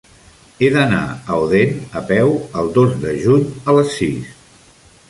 He d'anar a Odèn a peu el dos de juny a les sis.